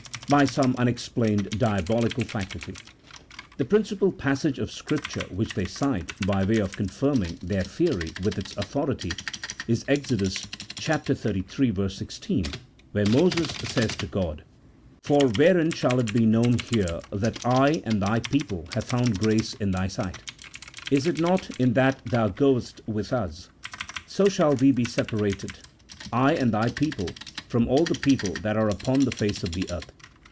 by some unexplained diabolical faculty. The principal pas sage of Scripture which they cite, by way of confirming their theory with its authority, is Exodus xxxiii. 16, where Moses says to God, " For wherein shall it be known here that I and Thy people have found grace in Thy sight ? is it not in that Thou goest with us ? so shall we be separated, I and Thy people, from all the people that are upon the face of the earth."